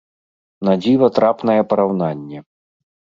На дзіва трапнае параўнанне!